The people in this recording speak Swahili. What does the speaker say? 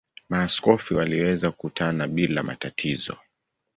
Maaskofu waliweza kukutana bila matatizo.